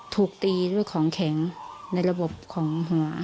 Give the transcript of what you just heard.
ถูกตีด้วยของแข็งในระบบของหัว